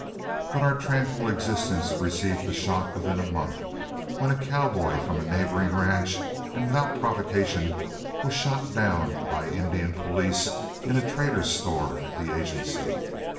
But our tranquil existence received a shock within a month, when a cowboy from a neighboring ranch, and without provocation, was shot down by Indian police in a trader's store at the agency.